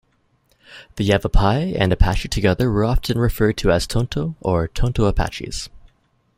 The Yavapai and Apache together were often referred to as "Tonto" or "Tonto Apaches".